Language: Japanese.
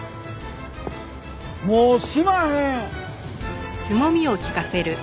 もうしまへん！